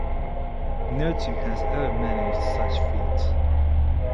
No team has ever managed such feat.